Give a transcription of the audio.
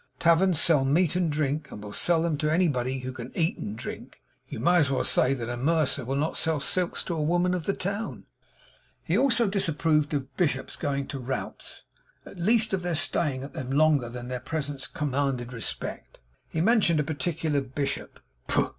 Taverns sell meat and drink, and will sell them to any body who can eat and can drink. You may as well say that a mercer will not sell silks to a woman of the town.' He also disapproved of bishops going to routs, at least of their staying at them longer than their presence commanded respect. He mentioned a particular bishop. 'Poh!